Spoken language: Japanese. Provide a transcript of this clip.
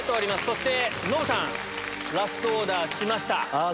そしてノブさんラストオーダーしました。